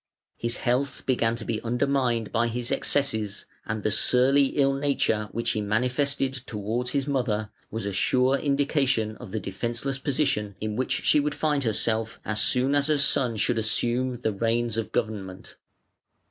His health began to be undermined by his excesses, and the surly ill nature which he manifested towards his mother was a sure indication of the defenceless position in which she would find herself as soon as her son should assume the reins of government.